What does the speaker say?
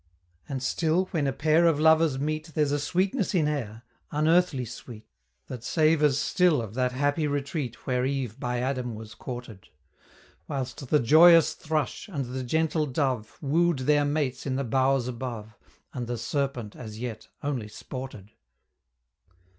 And still, when a pair of Lovers meet, There's a sweetness in air, unearthly sweet, That savors still of that happy retreat Where Eve by Adam was courted: Whilst the joyous Thrush, and the gentle Dove, Woo'd their mates in the boughs above, And the Serpent, as yet, only sported.